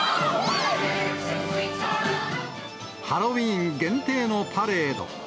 ハロウィーン限定のパレード。